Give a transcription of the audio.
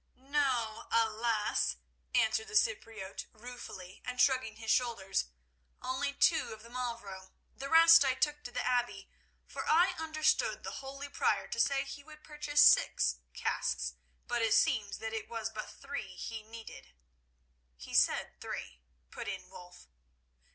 "No, alas!" answered the Cypriote ruefully, and shrugging his shoulders. "Only two of the Mavro. The rest I took to the Abbey, for I understood the holy Prior to say he would purchase six casks, but it seems that it was but three he needed." "He said three," put in Wulf.